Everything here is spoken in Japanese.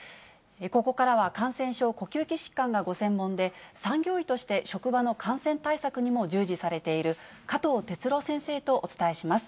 ここからは、感染症、呼吸器疾患がご専門で、産業医として職場の感染対策にも従事されている、加藤哲朗先生とお伝えします。